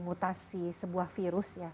mutasi sebuah virus ya